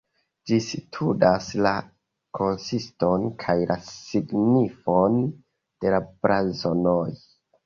Ĝi studas la konsiston kaj la signifon de la blazonoj.